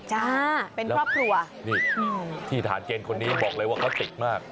จ้าเป็นครอบครัวนี่ที่ฐานเกณฑ์คนนี้บอกเลยว่าเขาติดมาก